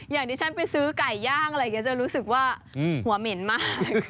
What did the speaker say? อย่างที่ฉันไปซื้อไก่ย่างจะรู้สึกว่าหัวเหม็นมาก